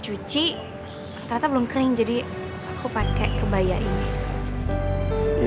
caranya setiap pelacuran dan borpok lady sekarang ya